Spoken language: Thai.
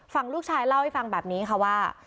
ฝั่งลูกชายเล่าให้ฟังแบบนี้ค่ะว่า